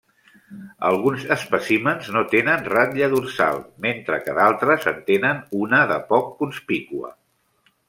Alguns espècimens no tenen ratlla dorsal, mentre que d'altres en tenen una de poc conspícua.